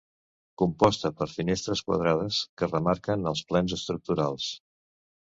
Composta per finestres quadrades, que remarquen els plens estructurals.